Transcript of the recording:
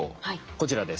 こちらです。